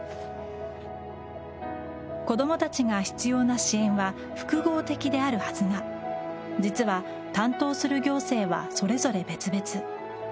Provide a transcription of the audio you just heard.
子供たちが必要な支援は複合的であるはずが実は、担当する行政はそれぞれ別々。